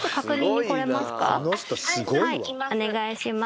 お願いします。